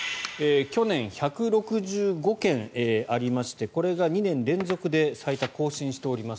去年、１６５件ありましてこれが２年連続で最多を更新しております。